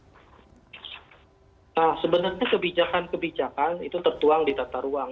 nah sebenarnya kebijakan kebijakan itu tertuang di tata ruang